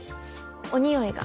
おにおいが？